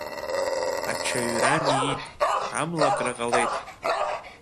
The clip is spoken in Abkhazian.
Аҽаҩра миит, амлакра ҟалеит.